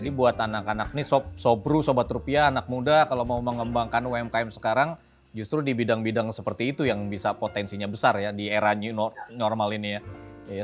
jadi buat anak anak ini sobru sobat rupiah anak muda kalau mau mengembangkan umkm sekarang justru di bidang bidang seperti itu yang bisa potensinya besar ya di era normal ini ya